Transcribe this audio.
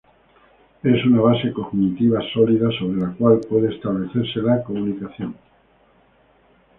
Es una base cognitiva sólida sobre la cual puede establecerse la comunicación.